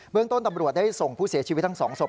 เรื่องต้นตำรวจได้ส่งผู้เสียชีวิตทั้ง๒ศพ